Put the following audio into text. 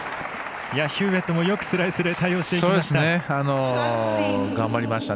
ヒューウェットもよくスライスで対応していきました。